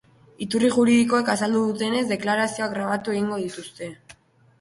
Iturri juridikoek azaldu dutenez, deklarazioak grabatu egingo dituzte.